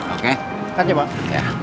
oke terima kasih bang